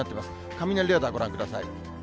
雷レーダーご覧ください。